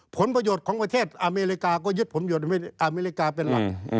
ผลประโยชน์ของประเทศอเมริกาก็ยึดผลอเมริกาเป็นหลัก